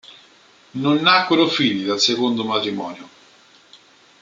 Non nacquero figli dal secondo matrimonio.